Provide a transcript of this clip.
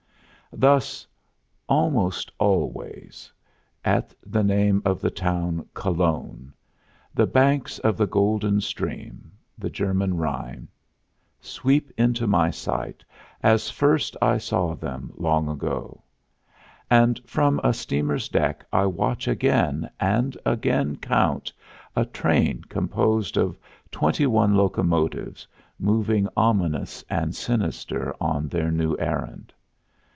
Thus almost always, at the name of the town Cologne, the banks of the golden stream, the German Rhine, sweep into my sight as first I saw them long ago; and from a steamer's deck I watch again, and again count, a train composed of twenty one locomotives, moving ominous and sinister on their new errand.